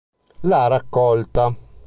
La raccolta